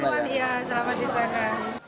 keperluan iya selamat disana